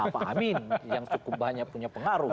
pak amin yang cukup banyak punya pengaruh